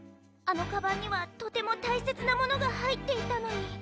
あのカバンにはとてもたいせつなものがはいっていたのに。